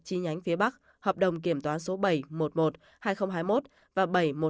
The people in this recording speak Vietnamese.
chi nhánh phía bắc hợp đồng kiểm toán số bảy một một hai nghìn hai mươi một và bảy một hai hai nghìn hai mươi một